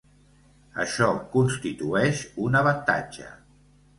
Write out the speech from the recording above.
Això constitueix un avantatge.